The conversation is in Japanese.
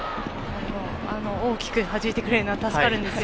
大きくはじいてくれるのは助かるんですよ